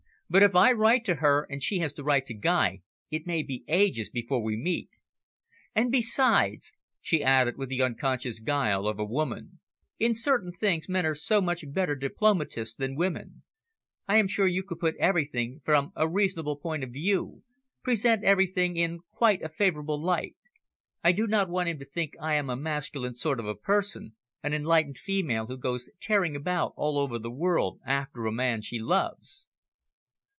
But if I write to her, and she has to write to Guy, it may be ages before we meet. And, besides," she added with the unconscious guile of a woman, "in certain things, men are so much better diplomatists than women. I am sure you could put everything from a reasonable point of view, present everything in quite a favourable light. I do not want him to think I am a masculine sort of person, an enlightened female who goes tearing about all over the world after a man she loves."